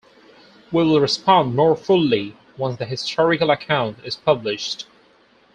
We will respond more fully once the historical account is published.